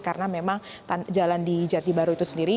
karena memang jalan di jatibaru itu sendiri